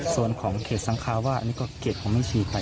ส่วนของเขตสังคาว่าอันนี้ก็เขตของบัญชีใคร